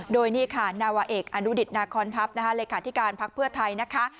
โดยนี่ค่ะนาวะเอกอนุดิษฐ์นาคอนทัพรายการที่การพักเพื่อไทยนะคะ